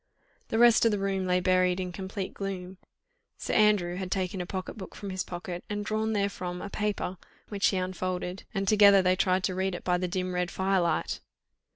The rest of the room lay buried in complete gloom; Sir Andrew had taken a pocket book from his pocket, and drawn therefrom a paper, which he unfolded, and together they tried to read it by the dim red firelight.